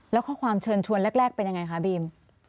แล้วข้อความเชิญชวนแรกเป็นยังไงคะบีม